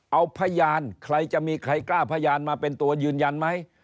เอาพยานใครจะมีใครกล้าพยานมาเป็นตัวยืนยันไหม